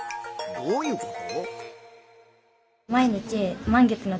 どういうこと？